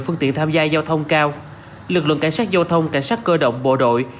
phương tiện tham gia giao thông cao lực lượng cảnh sát giao thông cảnh sát cơ động bộ đội